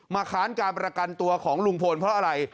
ค้านการประกันตัวของลุงพลเพราะอะไร